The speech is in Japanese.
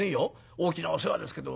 大きなお世話ですけど。